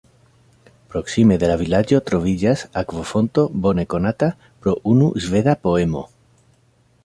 Proksime de la vilaĝo troviĝas akvofonto bone konata pro unu sveda poemo.